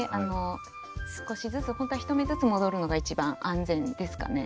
少しずつほんとは１目ずつ戻るのが一番安全ですかね。